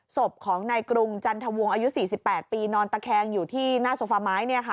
ศพของนายกรุงจันทวงอายุ๔๘ปีนอนตะแคงอยู่ที่หน้าโซฟาไม้